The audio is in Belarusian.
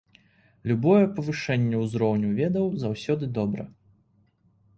Любое павышэнне ўзроўню ведаў заўсёды добра.